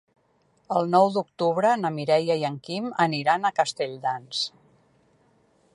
El nou d'octubre na Mireia i en Quim aniran a Castelldans.